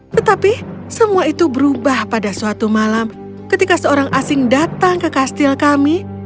tetapi semua itu berubah pada suatu malam ketika seorang asing datang ke kastil kami